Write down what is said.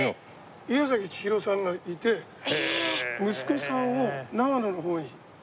いわさきちひろさんがいて息子さんを長野の方に。